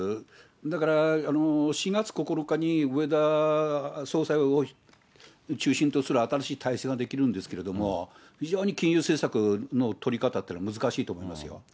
だから、４月９日に植田総裁を中心とする新しい体制ができるんですけれども、非常に金融政策の取り方というのは難しいと思いますよ。